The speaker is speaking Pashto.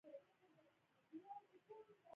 په افغانستان کې غزني د خلکو د ژوند په کیفیت تاثیر کوي.